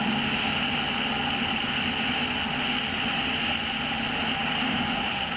อย่าเชื่อเลยครับว่าไหม